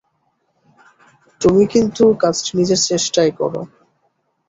তুমি কিন্তু কাজটি নিজের চেষ্টায় কর।